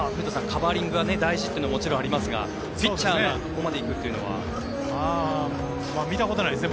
カバーリングが大事というのはもちろんありますがピッチャーが見たことないですね。